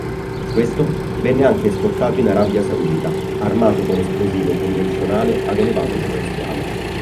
Questo venne anche esportato in Arabia Saudita, armato con esplosivo convenzionale ad elevato potenziale.